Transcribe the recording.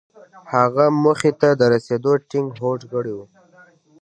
هغه موخې ته د رسېدو ټينګ هوډ کړی و.